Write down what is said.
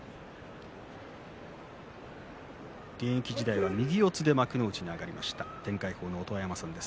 現役時代は右四つで幕内に上がった音羽山さんです。